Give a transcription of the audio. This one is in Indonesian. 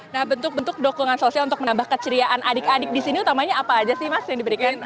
nah bentuk bentuk dukungan sosial untuk menambah keceriaan adik adik di sini utamanya apa aja sih mas yang diberikan